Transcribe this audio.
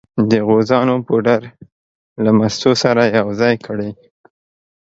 د غوزانو پوډر له مستو سره یو ځای کړئ.